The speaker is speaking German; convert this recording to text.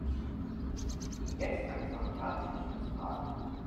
Jetzt fängt es doch tatsächlich an zu hageln.